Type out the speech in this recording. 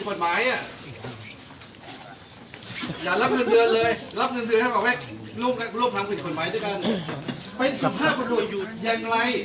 ผมผู้หญิงผู้ชาย